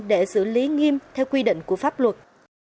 để xử lý nghiêm theo quy định của pháp luật